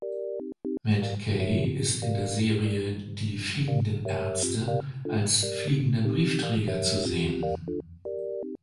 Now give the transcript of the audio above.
Matt Kay ist in der Serie "Die fliegenden Ärzte" als fliegender Briefträger zu sehen.